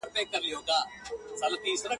یو څه خړه یو څه توره نوره سپینه !.